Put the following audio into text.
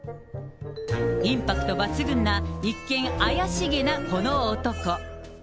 インパクト抜群な一見、怪しげなこの男。